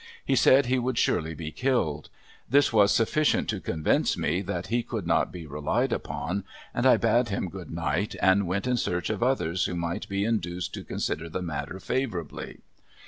He said we would surely be killed. This was sufficient to convince me that he could not be relied upon and I bade him good night and went in search of others who might be induced to consider the matter favorably.